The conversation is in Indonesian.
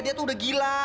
dia tuh udah gila